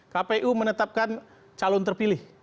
kpu menetapkan calon terpilih